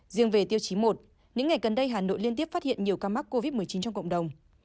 riêng về tiêu chí một những ngày gần đây hà nội liên tiếp phát hiện nhiều ca mắc covid một mươi chín trong cộng đồng